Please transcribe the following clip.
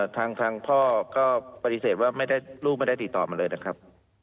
ทางพ่อก็ปฏิเสธว่าลูกไม่ได้ติดต่อมาเลยนะครับ